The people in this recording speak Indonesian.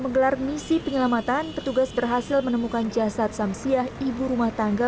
menggelar misi penyelamatan petugas berhasil menemukan jasad samsiah ibu rumah tangga